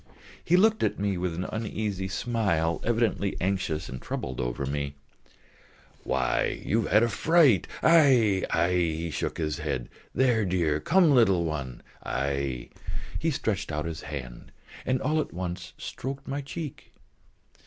He looked at me with an uneasy smile, evidently anxious and troubled over me. "Why, you have had a fright, aïe, aïe!" He shook his head. "There, dear.... Come, little one, aïe!" He stretched out his hand, and all at once stroked my cheek.